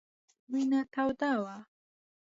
وینه توده وه.